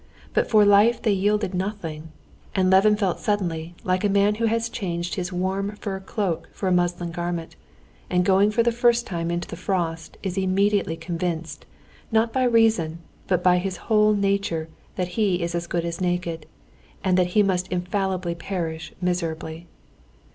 But for life they yielded nothing, and Levin felt suddenly like a man who has changed his warm fur cloak for a muslin garment, and going for the first time into the frost is immediately convinced, not by reason, but by his whole nature that he is as good as naked, and that he must infallibly perish miserably.